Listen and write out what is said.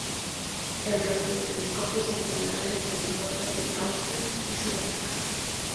El radiotelescopio se instalará en territorio de Australia y de Sudáfrica.